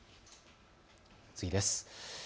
次です。